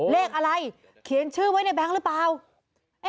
เลขอะไรเขียนชื่อไว้ในแง๊งหรือเปล่า